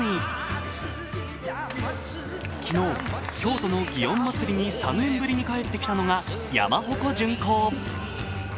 昨日、京都の祇園祭に３年ぶりに帰ってきたのが山鉾巡行。